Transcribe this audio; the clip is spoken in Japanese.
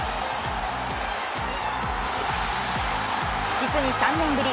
実に３年ぶり